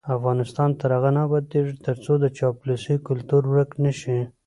افغانستان تر هغو نه ابادیږي، ترڅو د چاپلوسۍ کلتور ورک نشي.